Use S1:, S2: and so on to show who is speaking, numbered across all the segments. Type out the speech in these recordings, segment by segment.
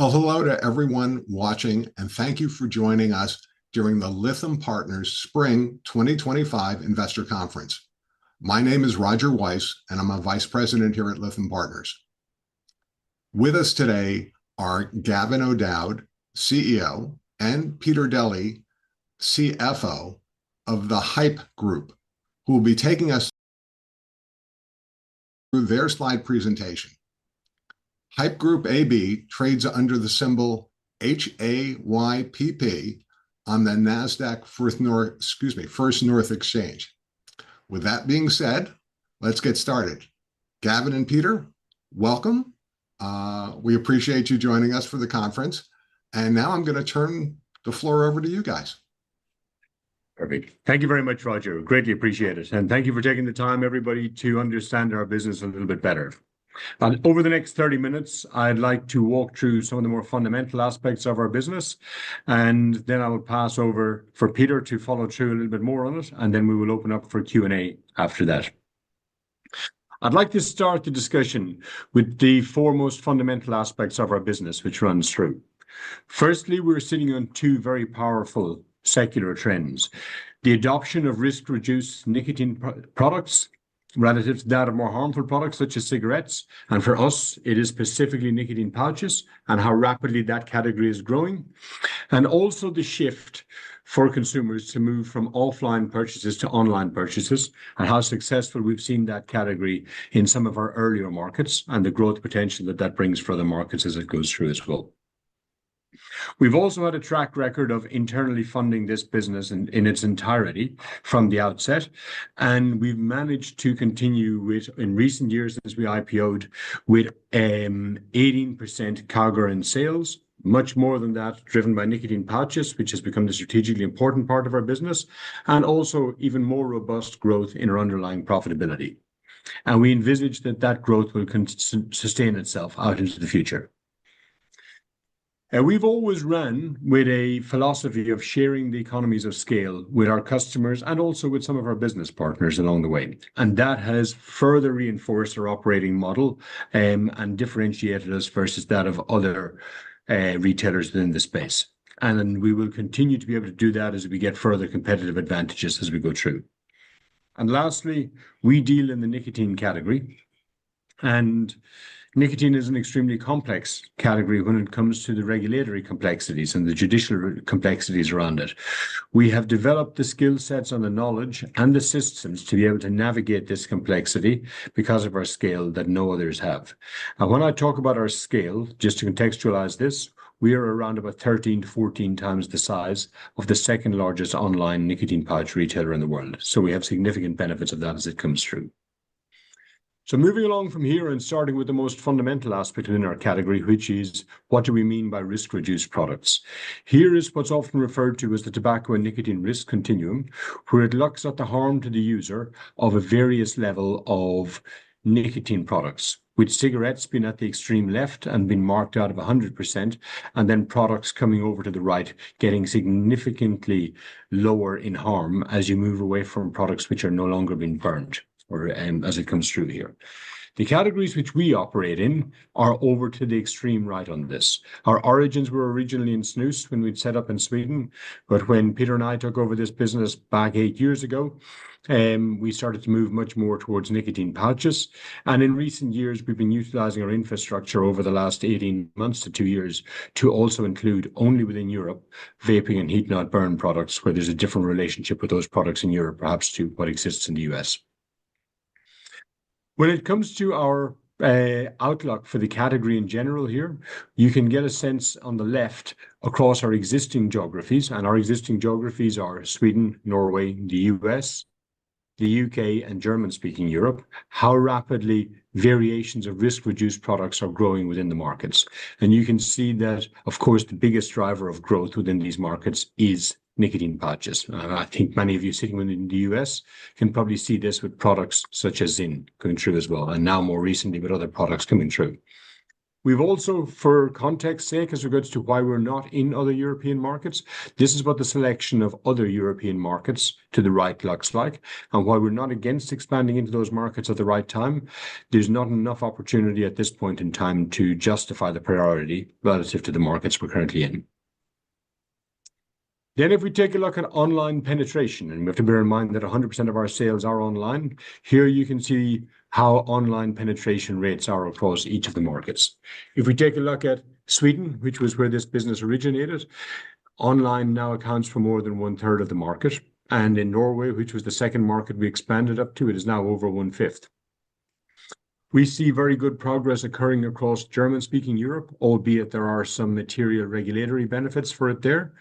S1: A hello to everyone watching, and thank you for joining us during the Lytham Partners Spring 2025 Investor Conference. My name is Roger Weiss, and I'm a Vice President here at Lytham Partners. With us today are Gavin O'Dowd, CEO, and Peter Deli, CFO of the Haypp Group, who will be taking us through their slide presentation. Haypp Group AB trades under the symbol HAYPP on the Nasdaq First North Exchange. With that being said, let's get started. Gavin and Peter, welcome. We appreciate you joining us for the conference. Now I'm going to turn the floor over to you guys.
S2: Perfect. Thank you very much, Roger. Greatly appreciate it. Thank you for taking the time, everybody, to understand our business a little bit better. Over the next 30 minutes, I'd like to walk through some of the more fundamental aspects of our business. I will pass over for Peter to follow through a little bit more on it. We will open up for Q&A after that. I'd like to start the discussion with the four most fundamental aspects of our business, which runs through. Firstly, we're sitting on two very powerful secular trends: the adoption of risk-reduced nicotine products relative to that of more harmful products such as cigarettes. For us, it is specifically nicotine pouches and how rapidly that category is growing. The shift for consumers to move from offline purchases to online purchases and how successful we have seen that category in some of our earlier markets and the growth potential that that brings for the markets as it goes through as well. We have also had a track record of internally funding this business in its entirety from the outset. We have managed to continue with, in recent years, as we IPO'd, with 18% CAGR in sales, much more than that driven by nicotine pouches, which has become the strategically important part of our business, and also even more robust growth in our underlying profitability. We envisage that that growth will sustain itself out into the future. We have always run with a philosophy of sharing the economies of scale with our customers and also with some of our business partners along the way. That has further reinforced our operating model and differentiated us versus that of other retailers in the space. We will continue to be able to do that as we get further competitive advantages as we go through. Lastly, we deal in the nicotine category. Nicotine is an extremely complex category when it comes to the regulatory complexities and the judicial complexities around it. We have developed the skill sets and the knowledge and the systems to be able to navigate this complexity because of our scale that no others have. When I talk about our scale, just to contextualize this, we are around about 13x to 14x the size of the second largest online nicotine pouch retailer in the world. We have significant benefits of that as it comes through. Moving along from here and starting with the most fundamental aspect in our category, which is what do we mean by risk-reduced products? Here is what is often referred to as the tobacco and nicotine risk continuum, where it looks at the harm to the user of a various level of nicotine products, with cigarettes being at the extreme left and being marked out of 100%, and then products coming over to the right, getting significantly lower in harm as you move away from products which are no longer being burned as it comes through here. The categories which we operate in are over to the extreme right on this. Our origins were originally in snus when we had set up in Sweden. When Peter and I took over this business back eight years ago, we started to move much more towards nicotine pouches. In recent years, we've been utilizing our infrastructure over the last 18 months to two years to also include only within Europe vaping and heat-not-burn products, where there's a different relationship with those products in Europe, perhaps to what exists in the U.S. When it comes to our outlook for the category in general here, you can get a sense on the left across our existing geographies. Our existing geographies are Sweden, Norway, the U.S., the U.K., and German-speaking Europe, how rapidly variations of risk-reduced products are growing within the markets. You can see that, of course, the biggest driver of growth within these markets is nicotine pouches. I think many of you sitting in the U.S. can probably see this with products such as ZYN coming through as well, and now more recently with other products coming through. We've also, for context's sake, as regards to why we're not in other European markets, this is what the selection of other European markets to the right looks like, and why we're not against expanding into those markets at the right time. There's not enough opportunity at this point in time to justify the priority relative to the markets we're currently in. If we take a look at online penetration, and we have to bear in mind that 100% of our sales are online, here you can see how online penetration rates are across each of the markets. If we take a look at Sweden, which was where this business originated, online now accounts for more than 1/3 of the market. In Norway, which was the second market we expanded up to, it is now over 1/5. We see very good progress occurring across German-speaking Europe, albeit there are some material regulatory benefits for it there.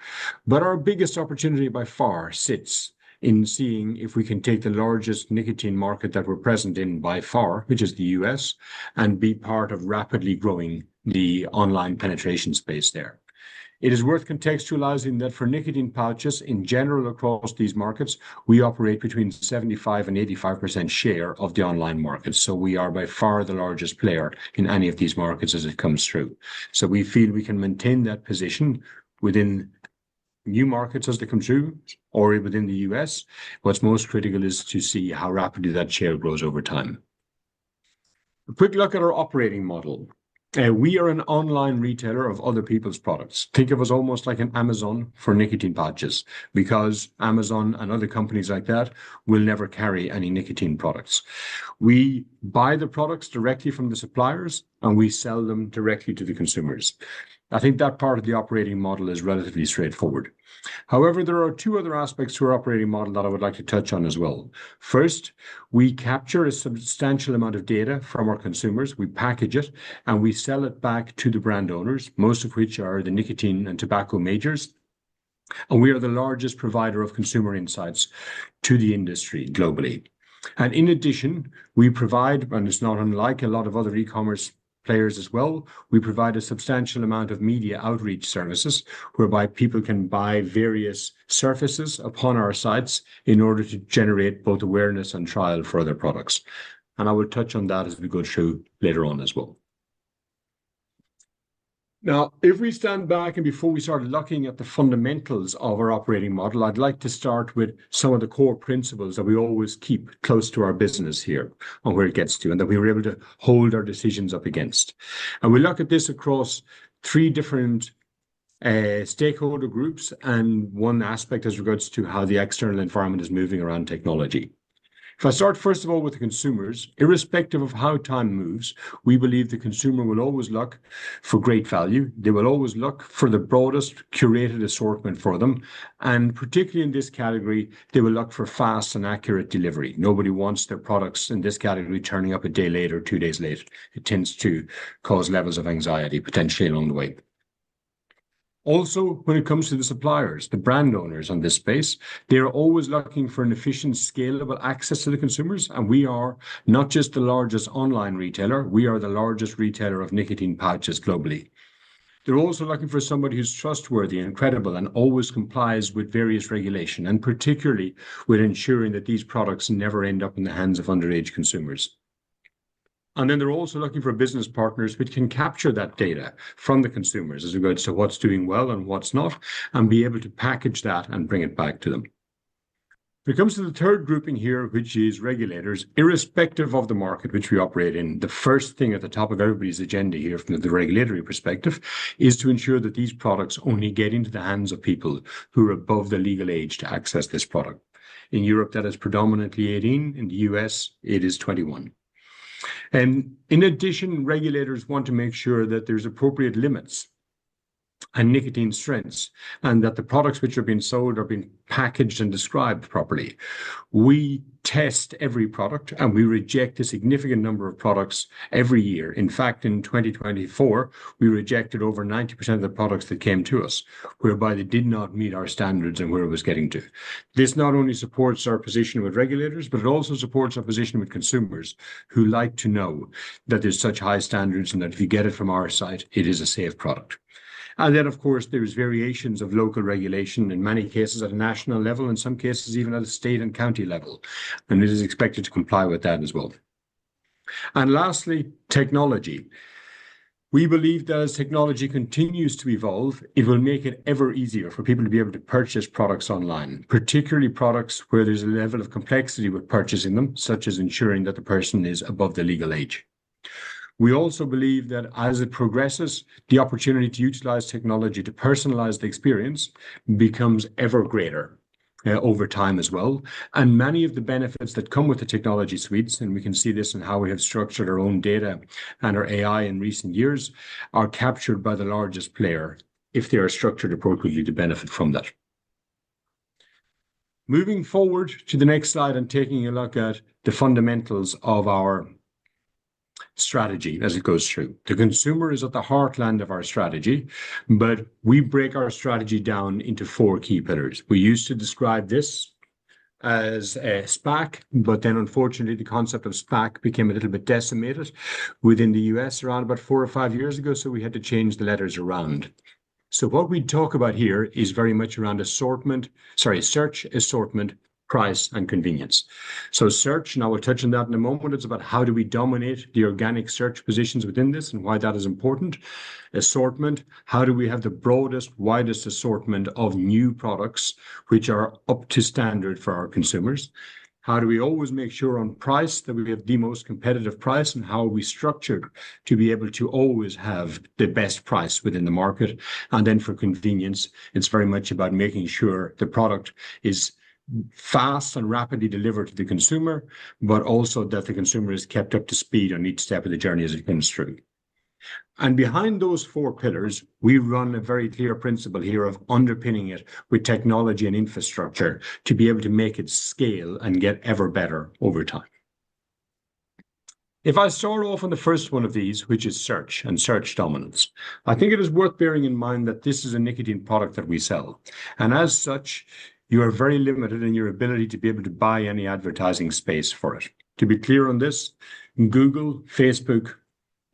S2: Our biggest opportunity by far sits in seeing if we can take the largest nicotine market that we're present in by far, which is the U.S., and be part of rapidly growing the online penetration space there. It is worth contextualizing that for nicotine pouches in general across these markets, we operate between 75% and 85% share of the online markets. We are by far the largest player in any of these markets as it comes through. We feel we can maintain that position within new markets as they come through or within the U.S. What's most critical is to see how rapidly that share grows over time. A quick look at our operating model. We are an online retailer of other people's products. Think of us almost like an Amazon for nicotine pouches because Amazon and other companies like that will never carry any nicotine products. We buy the products directly from the suppliers, and we sell them directly to the consumers. I think that part of the operating model is relatively straightforward. However, there are two other aspects to our operating model that I would like to touch on as well. First, we capture a substantial amount of data from our consumers. We package it, and we sell it back to the brand owners, most of which are the nicotine and tobacco majors. We are the largest provider of consumer insights to the industry globally. In addition, we provide, and it's not unlike a lot of other e-commerce players as well, we provide a substantial amount of media outreach services whereby people can buy various surfaces upon our sites in order to generate both awareness and trial for their products. I will touch on that as we go through later on as well. Now, if we stand back and before we start looking at the fundamentals of our operating model, I'd like to start with some of the core principles that we always keep close to our business here on where it gets to and that we were able to hold our decisions up against. We look at this across three different stakeholder groups and one aspect as regards to how the external environment is moving around technology. If I start first of all with the consumers, irrespective of how time moves, we believe the consumer will always look for great value. They will always look for the broadest curated assortment for them. Particularly in this category, they will look for fast and accurate delivery. Nobody wants their products in this category turning up a day late or two days late. It tends to cause levels of anxiety potentially along the way. Also, when it comes to the suppliers, the brand owners in this space, they are always looking for an efficient, scalable access to the consumers. We are not just the largest online retailer. We are the largest retailer of nicotine pouches globally. They are also looking for somebody who is trustworthy and credible and always complies with various regulations, particularly with ensuring that these products never end up in the hands of underage consumers. They are also looking for business partners which can capture that data from the consumers as regards to what is doing well and what is not, and be able to package that and bring it back to them. When it comes to the third grouping here, which is regulators, irrespective of the market which we operate in, the first thing at the top of everybody's agenda here from the regulatory perspective is to ensure that these products only get into the hands of people who are above the legal age to access this product. In Europe, that is predominantly 18. In the U.S., it is 21. In addition, regulators want to make sure that there are appropriate limits and nicotine strengths and that the products which are being sold are being packaged and described properly. We test every product, and we reject a significant number of products every year. In fact, in 2024, we rejected over 90% of the products that came to us whereby they did not meet our standards and where it was getting to. This not only supports our position with regulators, but it also supports our position with consumers who like to know that there's such high standards and that if you get it from our site, it is a safe product. There are variations of local regulation in many cases at a national level, in some cases even at a state and county level. It is expected to comply with that as well. Lastly, technology. We believe that as technology continues to evolve, it will make it ever easier for people to be able to purchase products online, particularly products where there's a level of complexity with purchasing them, such as ensuring that the person is above the legal age. We also believe that as it progresses, the opportunity to utilize technology to personalize the experience becomes ever greater over time as well. Many of the benefits that come with the technology suites, and we can see this in how we have structured our own data and our AI in recent years, are captured by the largest player if they are structured appropriately to benefit from that. Moving forward to the next slide and taking a look at the fundamentals of our strategy as it goes through. The consumer is at the heartland of our strategy, but we break our strategy down into four key pillars. We used to describe this as a SPAC, but then unfortunately, the concept of SPAC became a little bit decimated within the U.S. around about four or five years ago, so we had to change the letters around. What we talk about here is very much around assortment, sorry, search, assortment, price, and convenience. Search, and I will touch on that in a moment, is about how do we dominate the organic search positions within this and why that is important. Assortment, how do we have the broadest, widest assortment of new products which are up to standard for our consumers? How do we always make sure on price that we have the most competitive price and how are we structured to be able to always have the best price within the market? For convenience, it is very much about making sure the product is fast and rapidly delivered to the consumer, but also that the consumer is kept up to speed on each step of the journey as it comes through. Behind those four pillars, we run a very clear principle here of underpinning it with technology and infrastructure to be able to make it scale and get ever better over time. If I start off on the first one of these, which is search and search dominance, I think it is worth bearing in mind that this is a nicotine product that we sell. As such, you are very limited in your ability to be able to buy any advertising space for it. To be clear on this, Google, Facebook,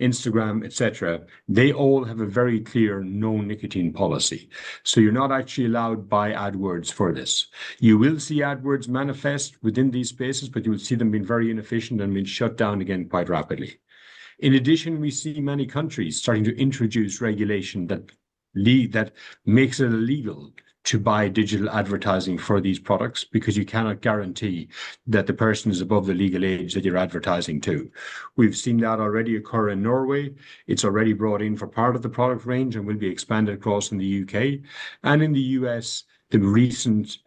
S2: Instagram, et cetera, they all have a very clear no nicotine policy. You are not actually allowed to buy AdWords for this. You will see AdWords manifest within these spaces, but you will see them being very inefficient and being shut down again quite rapidly. In addition, we see many countries starting to introduce regulation that makes it illegal to buy digital advertising for these products because you cannot guarantee that the person is above the legal age that you are advertising to. We have seen that already occur in Norway. It is already brought in for part of the product range and will be expanded across in the U.K. In the U.S., the recent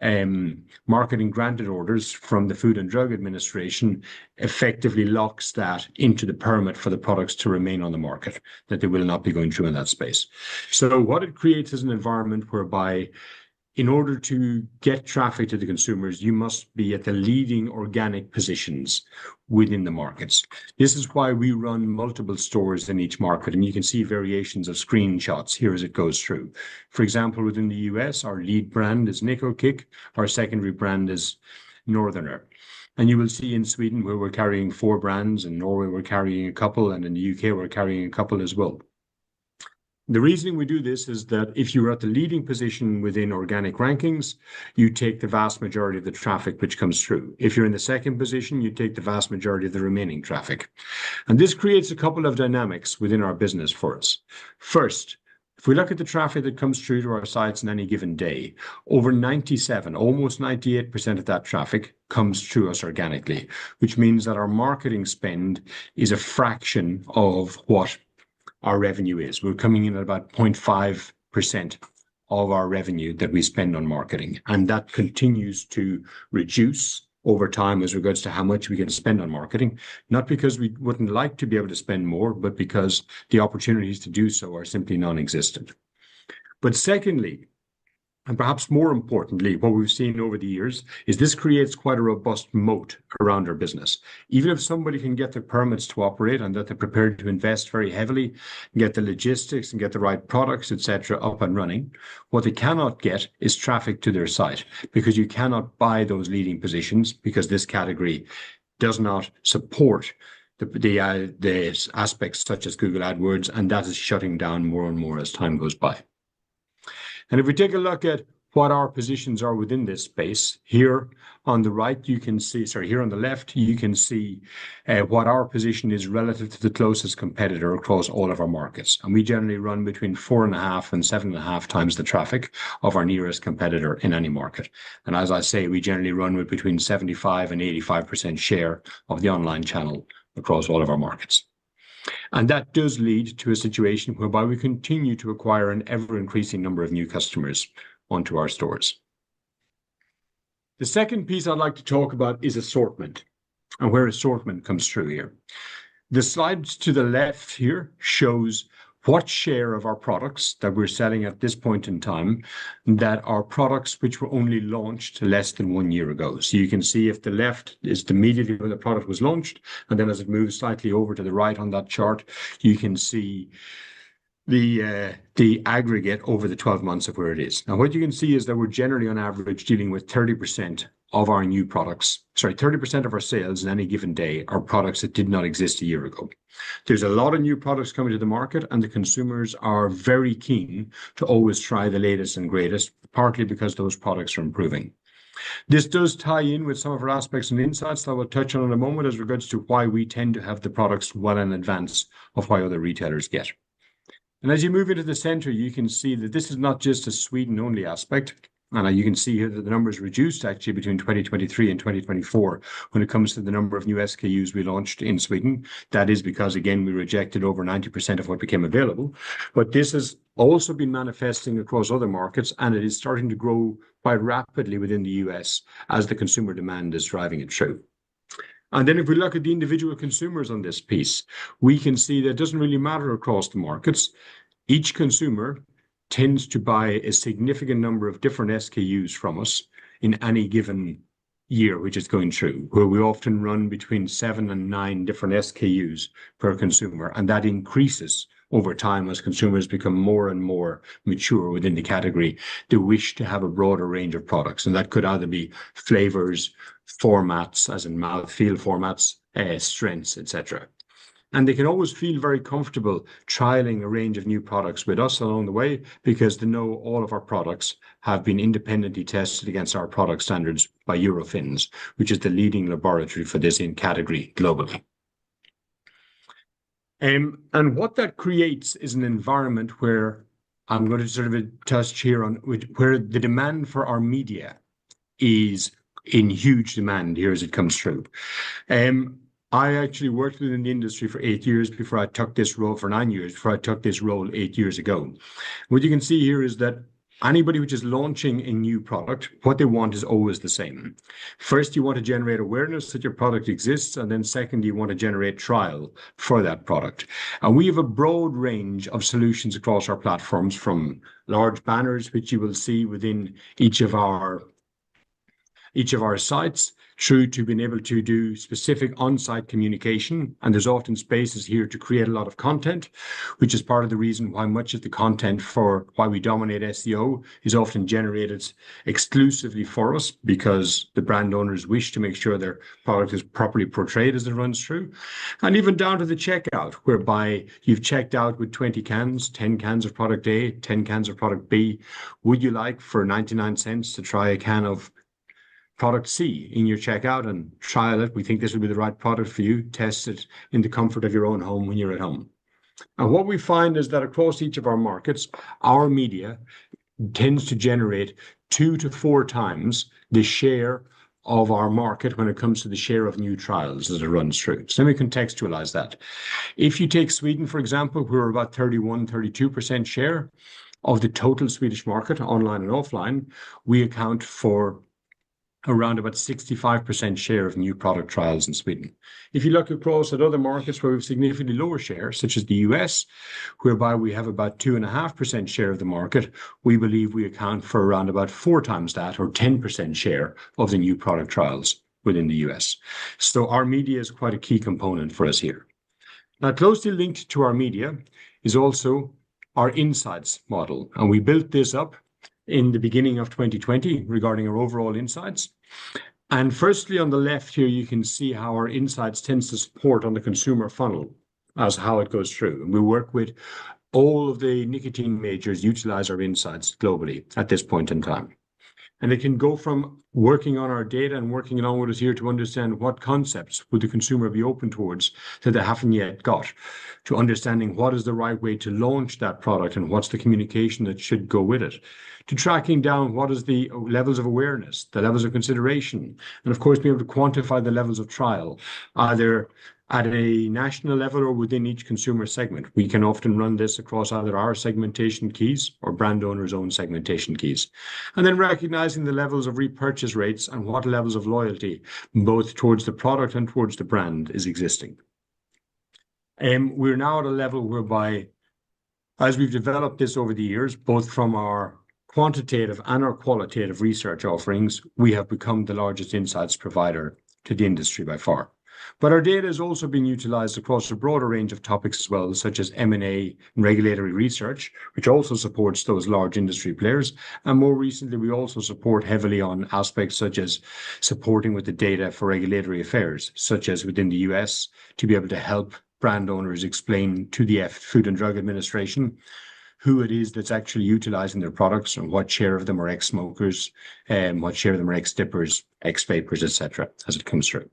S2: marketing granted orders from the Food and Drug Administration effectively lock that into the permit for the products to remain on the market, that they will not be going through in that space. What it creates is an environment whereby in order to get traffic to the consumers, you must be at the leading organic positions within the markets. This is why we run multiple stores in each market. You can see variations of screenshots here as it goes through. For example, within the U.S., our lead brand is Nicokick. Our secondary brand is Northerner. You will see in Sweden where we are carrying four brands, in Norway we are carrying a couple, and in the U.K., we are carrying a couple as well. The reasoning we do this is that if you're at the leading position within organic rankings, you take the vast majority of the traffic which comes through. If you're in the second position, you take the vast majority of the remaining traffic. This creates a couple of dynamics within our business for us. First, if we look at the traffic that comes through to our sites in any given day, over 97%, almost 98% of that traffic comes through us organically, which means that our marketing spend is a fraction of what our revenue is. We're coming in at about 0.5% of our revenue that we spend on marketing. That continues to reduce over time as regards to how much we can spend on marketing, not because we wouldn't like to be able to spend more, but because the opportunities to do so are simply non-existent. Secondly, and perhaps more importantly, what we've seen over the years is this creates quite a robust moat around our business. Even if somebody can get their permits to operate and that they're prepared to invest very heavily, get the logistics and get the right products, etc., up and running, what they cannot get is traffic to their site because you cannot buy those leading positions because this category does not support the aspects such as Google AdWords, and that is shutting down more and more as time goes by. If we take a look at what our positions are within this space, here on the right, you can see, sorry, here on the left, you can see what our position is relative to the closest competitor across all of our markets. We generally run between 4.5x and 7.5x the traffic of our nearest competitor in any market. We generally run with between 75% and 85% share of the online channel across all of our markets. That does lead to a situation whereby we continue to acquire an ever-increasing number of new customers onto our stores. The second piece I'd like to talk about is assortment and where assortment comes through here. The slides to the left here show what share of our products that we're selling at this point in time that are products which were only launched less than one year ago. You can see if the left is the immediate where the product was launched, and then as it moves slightly over to the right on that chart, you can see the aggregate over the 12 months of where it is. What you can see is that we're generally on average dealing with 30% of our new products, sorry, 30% of our sales in any given day are products that did not exist a year ago. There's a lot of new products coming to the market, and the consumers are very keen to always try the latest and greatest, partly because those products are improving. This does tie in with some of our aspects and insights that we'll touch on in a moment as regards to why we tend to have the products well in advance of what other retailers get. As you move into the center, you can see that this is not just a Sweden-only aspect. You can see here that the number is reduced actually between 2023 and 2024 when it comes to the number of new SKUs we launched in Sweden. That is because, again, we rejected over 90% of what became available. This has also been manifesting across other markets, and it is starting to grow quite rapidly within the US as the consumer demand is driving it through. If we look at the individual consumers on this piece, we can see that it does not really matter across the markets. Each consumer tends to buy a significant number of different SKUs from us in any given year, which is going through, where we often run between seven and nine different SKUs per consumer. That increases over time as consumers become more and more mature within the category to wish to have a broader range of products. That could either be flavors, formats, as in mouthfeel formats, strengths, et cetera. They can always feel very comfortable trialing a range of new products with us along the way because they know all of our products have been independently tested against our product standards by Eurofins, which is the leading laboratory for this in category globally. What that creates is an environment where I'm going to sort of touch here on where the demand for our media is in huge demand here as it comes through. I actually worked in the industry for eight years before I took this role for nine years before I took this role eight years ago. What you can see here is that anybody which is launching a new product, what they want is always the same. First, you want to generate awareness that your product exists, and then second, you want to generate trial for that product. We have a broad range of solutions across our platforms from large banners, which you will see within each of our sites, through to being able to do specific on-site communication. There are often spaces here to create a lot of content, which is part of the reason why much of the content for why we dominate SEO is often generated exclusively for us because the brand owners wish to make sure their product is properly portrayed as it runs through. Even down to the checkout, whereby you have checked out with 20 cans, 10 cans of product A, 10 cans of product B, would you like for $0.99 to try a can of product C in your checkout and trial it? We think this would be the right product for you. Test it in the comfort of your own home when you are at home. What we find is that across each of our markets, our media tends to generate 2x to 4x the share of our market when it comes to the share of new trials as it runs through. Let me contextualize that. If you take Sweden, for example, who are about 31%, 32% share of the total Swedish market online and offline, we account for around 65% share of new product trials in Sweden. If you look across at other markets where we have significantly lower shares, such as the US, whereby we have about 2.5% share of the market, we believe we account for around about 4x that or 10% share of the new product trials within the U.S. Our media is quite a key component for us here. Now, closely linked to our media is also our insights model. We built this up in the beginning of 2020 regarding our overall insights. Firstly, on the left here, you can see how our insights tend to support on the consumer funnel as how it goes through. We work with all of the nicotine majors utilize our insights globally at this point in time. They can go from working on our data and working along with us here to understand what concepts would the consumer be open towards that they have not yet got to, understanding what is the right way to launch that product and what is the communication that should go with it, to tracking down what is the levels of awareness, the levels of consideration, and of course, being able to quantify the levels of trial either at a national level or within each consumer segment. We can often run this across either our segmentation keys or brand owners' own segmentation keys, and then recognizing the levels of repurchase rates and what levels of loyalty both towards the product and towards the brand is existing. We're now at a level whereby, as we've developed this over the years, both from our quantitative and our qualitative research offerings, we have become the largest insights provider to the industry by far. Our data is also being utilized across a broader range of topics as well, such as M&A and regulatory research, which also supports those large industry players. More recently, we also support heavily on aspects such as supporting with the data for regulatory affairs, such as within the U.S., to be able to help brand owners explain to the Food and Drug Administration who it is that's actually utilizing their products and what share of them are ex-smokers, what share of them are ex-dippers, ex-vapors, et cetera, as it comes through.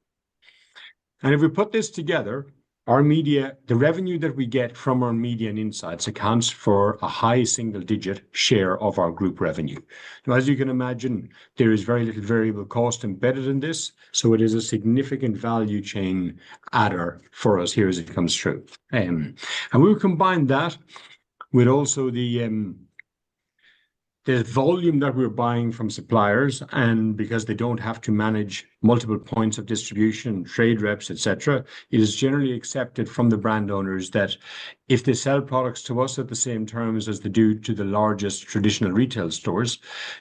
S2: If we put this together, our media, the revenue that we get from our Media & Insights, accounts for a high single-digit share of our group revenue. As you can imagine, there is very little variable cost embedded in this. It is a significant value chain adder for us here as it comes through. We will combine that with also the volume that we are buying from suppliers. And because they do not have to manage multiple points of distribution, trade reps, et cetera, it is generally accepted from the brand owners that if they sell products to us at the same terms as they do to the largest traditional retail stores,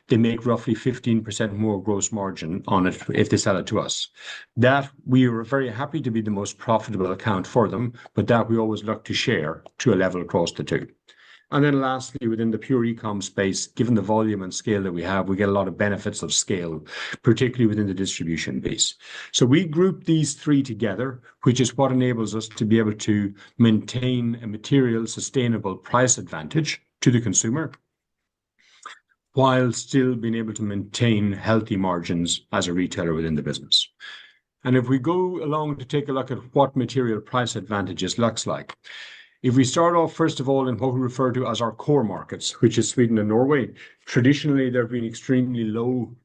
S2: they make roughly 15% more gross margin on it if they sell it to us. That we are very happy to be the most profitable account for them, but that we always look to share to a level across the two. Lastly, within the pure e-com space, given the volume and scale that we have, we get a lot of benefits of scale, particularly within the distribution base. We group these three together, which is what enables us to be able to maintain a material sustainable price advantage to the consumer while still being able to maintain healthy margins as a retailer within the business. If we go along to take a look at what material price advantages looks like, if we start off, first of all, in what we refer to as our core markets, which is Sweden and Norway, traditionally, there have been extremely low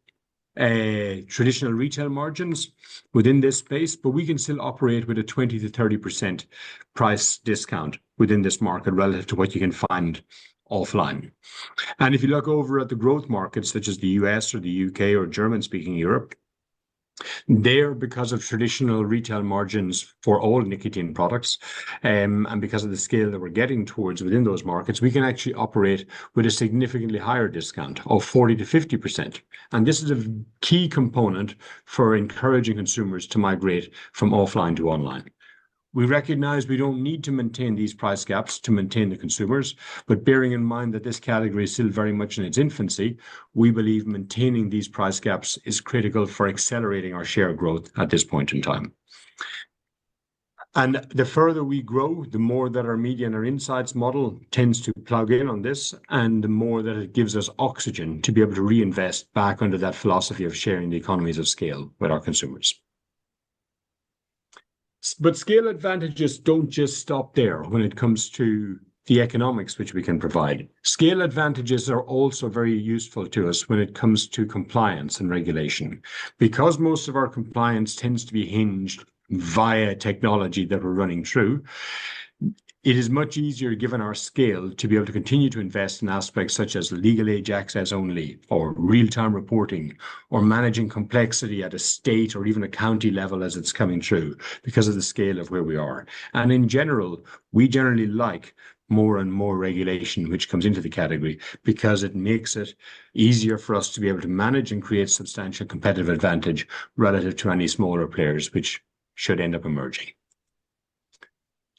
S2: traditional retail margins within this space, but we can still operate with a 20%-30% price discount within this market relative to what you can find offline. If you look over at the growth markets, such as the U.S. or the U.K. or German-speaking Europe, there, because of traditional retail margins for all nicotine products and because of the scale that we're getting towards within those markets, we can actually operate with a significantly higher discount of 40%-50%. This is a key component for encouraging consumers to migrate from offline to online. We recognize we do not need to maintain these price gaps to maintain the consumers, but bearing in mind that this category is still very much in its infancy, we believe maintaining these price gaps is critical for accelerating our share growth at this point in time. The further we grow, the more that our Media & Insights model tends to plug in on this, and the more that it gives us oxygen to be able to reinvest back under that philosophy of sharing the economies of scale with our consumers. Scale advantages do not just stop there when it comes to the economics which we can provide. Scale advantages are also very useful to us when it comes to compliance and regulation. Because most of our compliance tends to be hinged via technology that we're running through, it is much easier, given our scale, to be able to continue to invest in aspects such as legal age access only or real-time reporting or managing complexity at a state or even a county level as it's coming through because of the scale of where we are. In general, we generally like more and more regulation which comes into the category because it makes it easier for us to be able to manage and create substantial competitive advantage relative to any smaller players which should end up emerging.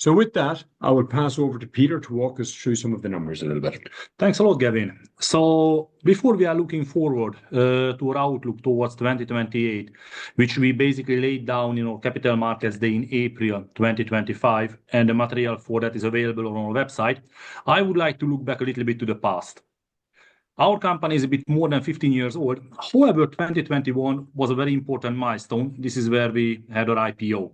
S2: With that, I will pass over to Peter to walk us through some of the numbers a little bit.
S3: Thanks a lot, Gavin. Before we are looking forward to our outlook towards 2028, which we basically laid down in our capital markets day in April 2025, and the material for that is available on our website, I would like to look back a little bit to the past. Our company is a bit more than 15 years old. However, 2021 was a very important milestone. This is where we had our IPO.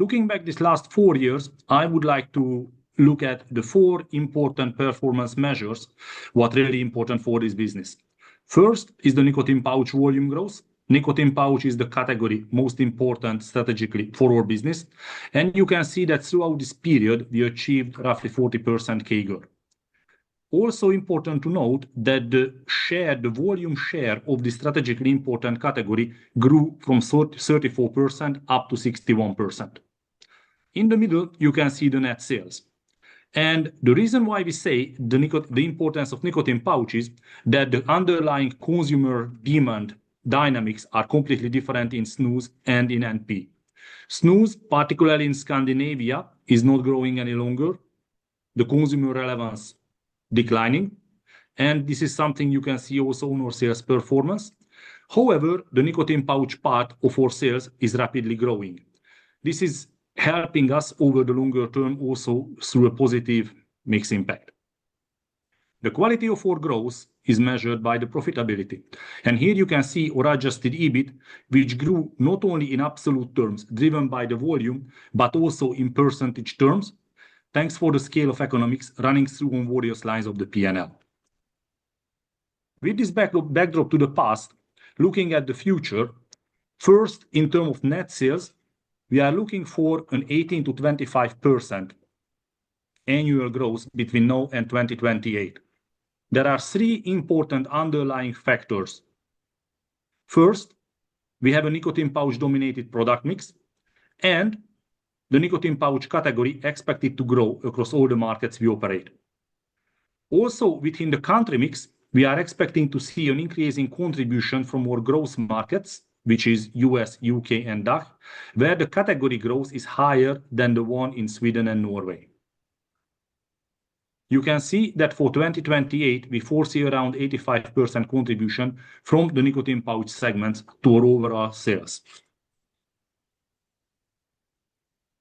S3: Looking back this last four years, I would like to look at the four important performance measures, what's really important for this business. First is the nicotine pouch volume growth. Nicotine pouch is the category most important strategically for our business. You can see that throughout this period, we achieved roughly 40% CAGR. Also important to note that the share, the volume share of the strategically important category grew from 34% up to 61%. In the middle, you can see the net sales. The reason why we say the importance of nicotine pouch is that the underlying consumer demand dynamics are completely different in snus and in NP. Snus, particularly in Scandinavia, is not growing any longer. The consumer relevance is declining. This is something you can see also in our sales performance. However, the nicotine pouch part of our sales is rapidly growing. This is helping us over the longer term also through a positive mixed impact. The quality of our growth is measured by the profitability. Here you can see our adjusted EBIT, which grew not only in absolute terms driven by the volume, but also in percentage terms, thanks for the scale of economics running through on various lines of the P&L. With this backdrop to the past, looking at the future, first, in terms of net sales, we are looking for an 18%-25% annual growth between now and 2028. There are three important underlying factors. First, we have a nicotine pouch-dominated product mix and the nicotine pouch category expected to grow across all the markets we operate. Also, within the country mix, we are expecting to see an increasing contribution from our growth markets, which is U.S., U.K., and DACH, where the category growth is higher than the one in Sweden and Norway. You can see that for 2028, we foresee around 85% contribution from the nicotine pouch segments to our overall sales.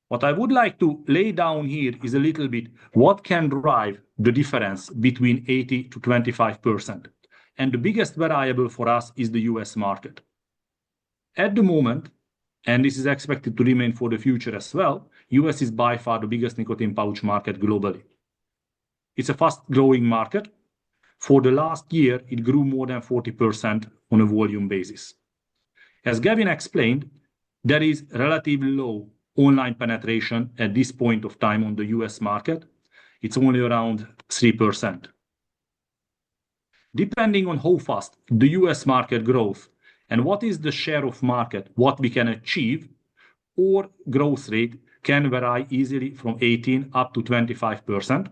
S3: What I would like to lay down here is a little bit what can drive the difference between 18%-25%. And the biggest variable for us is the U.S. market. At the moment, and this is expected to remain for the future as well, the U.S. is by far the biggest nicotine pouch market globally. It's a fast-growing market. For the last year, it grew more than 40% on a volume basis. As Gavin explained, there is relatively low online penetration at this point of time on the U.S. market. It's only around 3%. Depending on how fast the U.S. market grows and what is the share of market, what we can achieve, our growth rate can vary easily from 18% up to 25%.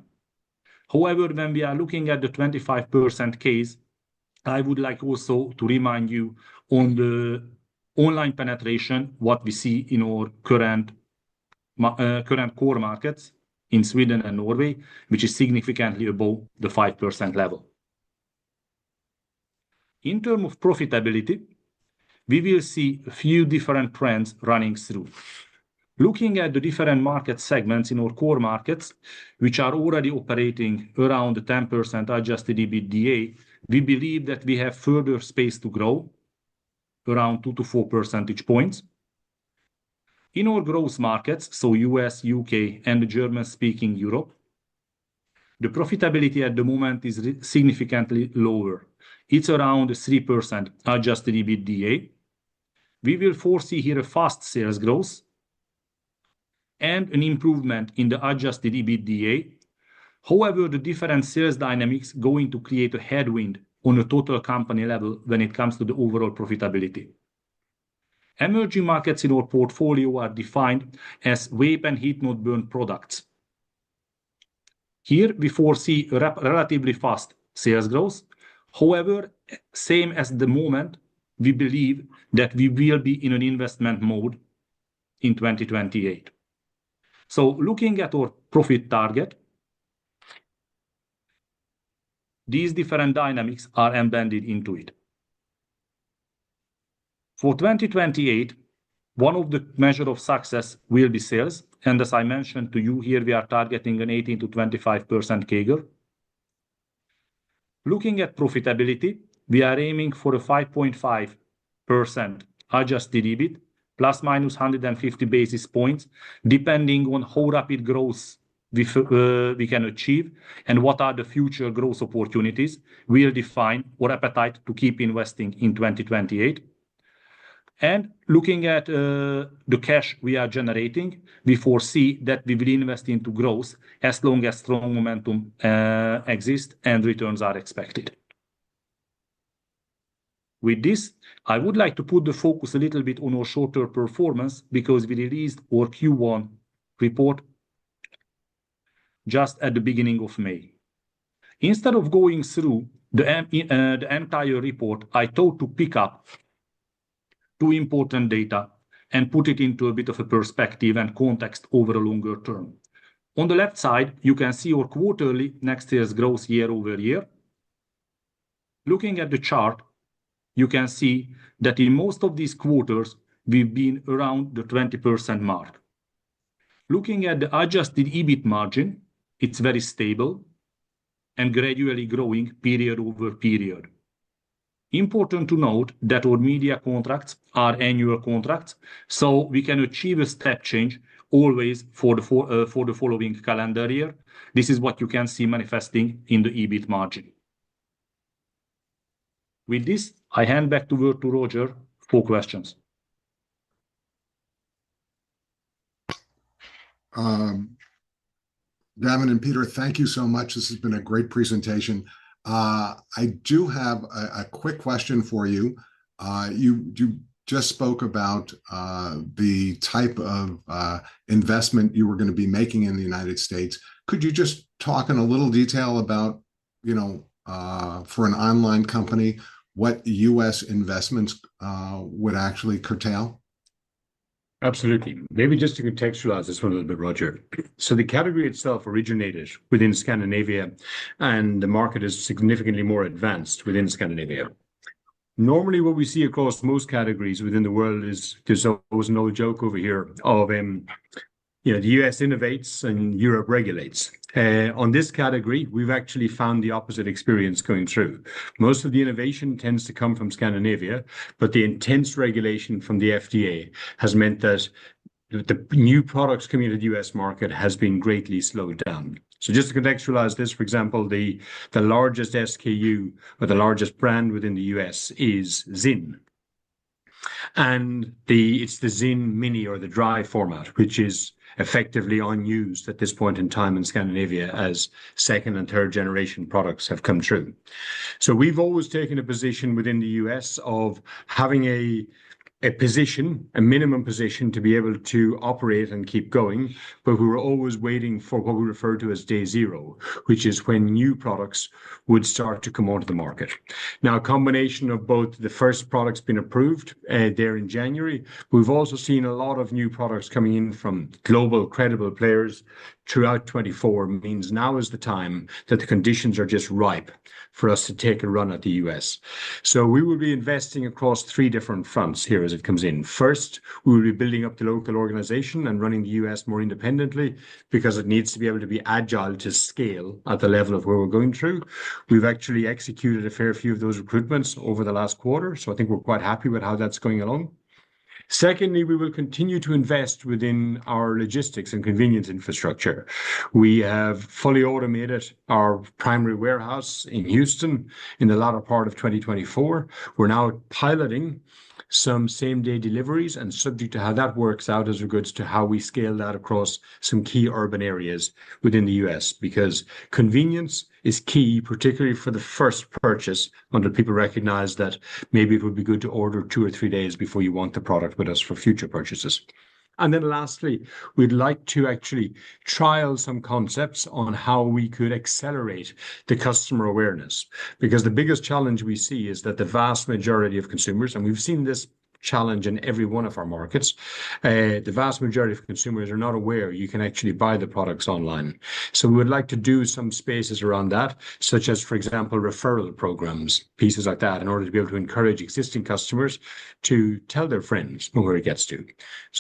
S3: However, when we are looking at the 25% case, I would like also to remind you on the online penetration what we see in our current core markets in Sweden and Norway, which is significantly above the 5% level. In terms of profitability, we will see a few different trends running through. Looking at the different market segments in our core markets, which are already operating around the 10% adjusted EBITDA, we believe that we have further space to grow around two to four percentage points. In our growth markets, so U.S., U.K., and the German-speaking Europe, the profitability at the moment is significantly lower. It's around 3% adjusted EBITDA. We will foresee here a fast sales growth and an improvement in the adjusted EBITDA. However, the different sales dynamics are going to create a headwind on a total company level when it comes to the overall profitability. Emerging markets in our portfolio are defined as vape and heat-not-burn products. Here, we foresee relatively fast sales growth. However, same as the moment, we believe that we will be in an investment mode in 2028. Looking at our profit target, these different dynamics are embedded into it. For 2028, one of the measures of success will be sales. As I mentioned to you here, we are targeting an 18%-25% CAGR. Looking at profitability, we are aiming for a 5.5% adjusted EBIT, ±150 basis points, depending on how rapid growth we can achieve and what the future growth opportunities will define our appetite to keep investing in 2028. Looking at the cash we are generating, we foresee that we will invest into growth as long as strong momentum exists and returns are expected. With this, I would like to put the focus a little bit on our short-term performance because we released our Q1 report just at the beginning of May. Instead of going through the entire report, I thought to pick up two important data and put it into a bit of a perspective and context over a longer term. On the left side, you can see our quarterly next year's growth year-over-year. Looking at the chart, you can see that in most of these quarters, we've been around the 20% mark. Looking at the adjusted EBIT margin, it's very stable and gradually growing period over period. Important to note that our media contracts are annual contracts, so we can achieve a step change always for the following calendar year. This is what you can see manifesting in the EBIT margin. With this, I hand back the word to Roger for questions.
S1: Gavin and Peter, thank you so much. This has been a great presentation. I do have a quick question for you. You just spoke about the type of investment you were going to be making in the United States. Could you just talk in a little detail about, for an online company, what U.S. investments would actually curtail?
S2: Absolutely. Maybe just to contextualize this one a little bit, Roger. The category itself originated within Scandinavia, and the market is significantly more advanced within Scandinavia. Normally, what we see across most categories within the world is, there's always an old joke over here of, you know, the U.S. innovates and Europe regulates. On this category, we've actually found the opposite experience going through. Most of the innovation tends to come from Scandinavia, but the intense regulation from the FDA has meant that the new products coming into the U.S. market have been greatly slowed down. Just to contextualize this, for example, the largest SKU or the largest brand within the US is ZYN. It is the ZYN mini or the dry format, which is effectively unused at this point in time in Scandinavia as 2nd and 3rd generation products have come through. We have always taken a position within the U.S. of having a position, a minimum position, to be able to operate and keep going, but we were always waiting for what we refer to as day zero, which is when new products would start to come onto the market. Now, a combination of both the first products being approved there in January. We have also seen a lot of new products coming in from global credible players throughout 2024. It means now is the time that the conditions are just ripe for us to take a run at the U.S. We will be investing across three different fronts here as it comes in. First, we will be building up the local organization and running the U.S. more independently because it needs to be able to be agile to scale at the level of where we're going through. We've actually executed a fair few of those recruitments over the last quarter, so I think we're quite happy with how that's going along. Secondly, we will continue to invest within our logistics and convenience infrastructure. We have fully automated our primary warehouse in Houston in the latter part of 2024. We're now piloting some same-day deliveries and subject to how that works out as regards to how we scale that across some key urban areas within the U.S. because convenience is key, particularly for the first purchase until people recognize that maybe it would be good to order two or three days before you want the product with us for future purchases. Lastly, we'd like to actually trial some concepts on how we could accelerate the customer awareness because the biggest challenge we see is that the vast majority of consumers, and we've seen this challenge in every one of our markets, the vast majority of consumers are not aware you can actually buy the products online. We would like to do some spaces around that, such as, for example, referral programs, pieces like that, in order to be able to encourage existing customers to tell their friends where it gets to.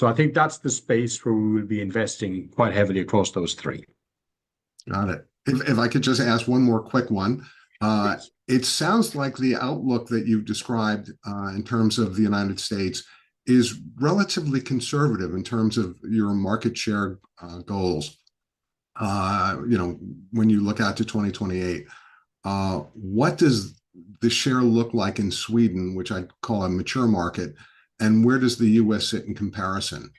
S2: I think that's the space where we will be investing quite heavily across those three.
S1: Got it. If I could just ask one more quick one. It sounds like the outlook that you've described in terms of the United States is relatively conservative in terms of your market share goals. When you look out to 2028, what does the share look like in Sweden, which I'd call a mature market, and where does the U.S. sit in comparison?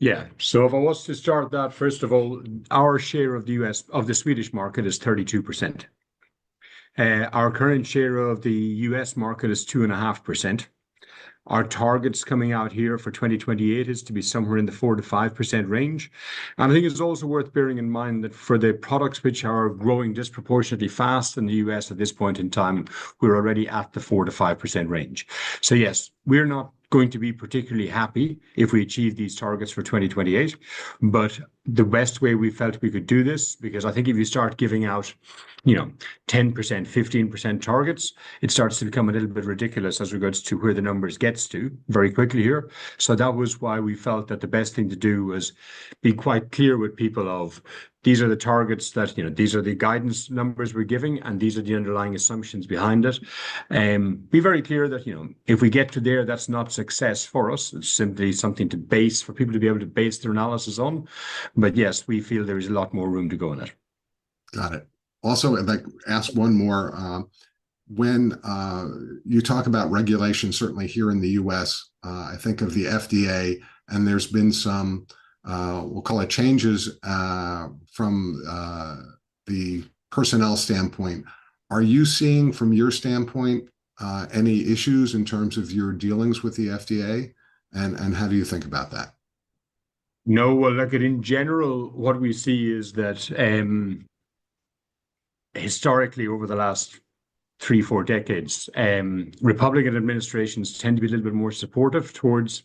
S2: Yeah. If I was to start that, first of all, our share of the Swedish market is 32%. Our current share of the U.S. market is 2.5%. Our targets coming out here for 2028 is to be somewhere in the 4%-5% range. I think it's also worth bearing in mind that for the products which are growing disproportionately fast in the U.S. at this point in time, we're already at the 4%-5% range. Yes, we're not going to be particularly happy if we achieve these targets for 2028, but the best way we felt we could do this, because I think if you start giving out, you know, 10%, 15% targets, it starts to become a little bit ridiculous as regards to where the numbers get to very quickly here. That was why we felt that the best thing to do was be quite clear with people of, these are the targets that, you know, these are the guidance numbers we're giving, and these are the underlying assumptions behind it. Be very clear that, you know, if we get to there, that's not success for us. It's simply something to base for people to be able to base their analysis on. Yes, we feel there is a lot more room to go in it.
S1: Got it. Also, I'd like to ask one more. When you talk about regulation certainly here in the U.S., I think of the FDA, and there's been some, we'll call it changes from the personnel standpoint. Are you seeing, from your standpoint, any issues in terms of your dealings with the FDA? And how do you think about that?
S2: No. Look, in general, what we see is that historically, over the last three, four decades, Republican administrations tend to be a little bit more supportive towards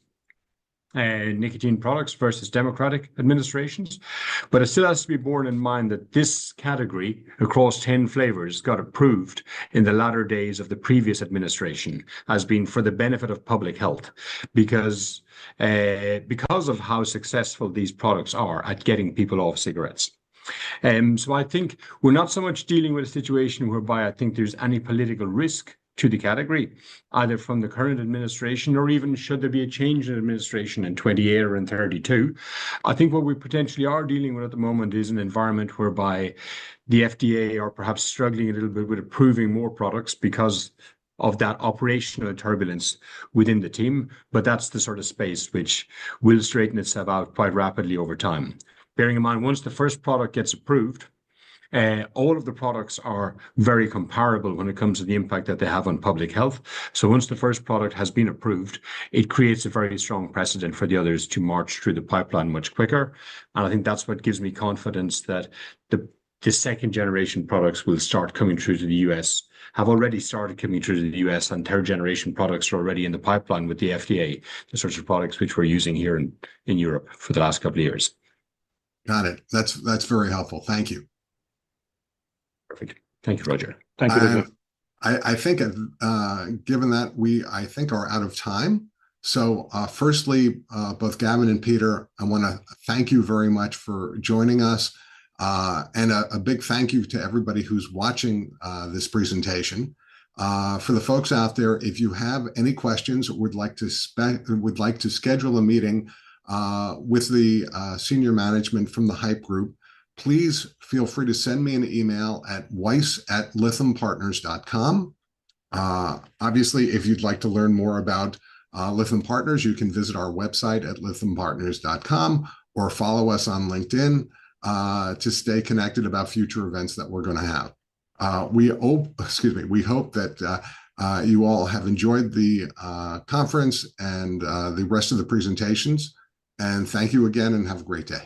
S2: nicotine products versus Democratic administrations. It still has to be born in mind that this category across 10 flavors got approved in the latter days of the previous administration as being for the benefit of public health because of how successful these products are at getting people off cigarettes. I think we're not so much dealing with a situation whereby I think there's any political risk to the category, either from the current administration or even should there be a change in administration in 2028 or in 2032. I think what we potentially are dealing with at the moment is an environment whereby the FDA are perhaps struggling a little bit with approving more products because of that operational turbulence within the team. That's the sort of space which will straighten itself out quite rapidly over time. Bearing in mind, once the first product gets approved, all of the products are very comparable when it comes to the impact that they have on public health. Once the first product has been approved, it creates a very strong precedent for the others to march through the pipeline much quicker. I think that's what gives me confidence that the 2nd generation products will start coming through to the U.S., have already started coming through to the U.S., and 3rd generation products are already in the pipeline with the FDA, the sorts of products which we're using here in Europe for the last couple of years.
S1: Got it. That's very helpful. Thank you.
S2: Perfect. Thank you, Roger.
S3: Thank you, Roger.
S1: I think, given that we I think are out of time. Firstly, both Gavin and Peter, I want to thank you very much for joining us. And a big thank you to everybody who's watching this presentation. For the folks out there, if you have any questions or would like to schedule a meeting with the senior management from the Haypp Group, please feel free to send me an email at weiss@lythampartners.com. Obviously, if you'd like to learn more about Lytham Partners, you can visit our website at lythampartners.com or follow us on LinkedIn to stay connected about future events that we're going to have. We hope that you all have enjoyed the conference and the rest of the presentations. Thank you again and have a great day.